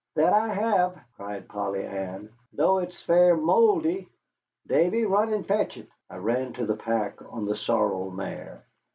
"That I have," cried Polly Ann, "though it's fair mouldy. Davy, run and fetch it." I ran to the pack on the sorrel mare.